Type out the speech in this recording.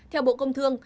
theo bộ công thương